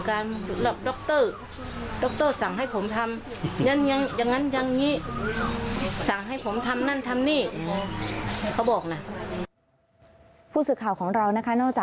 ก็คืออาจจะกินยาไม่ค่อยต่อเนื่อง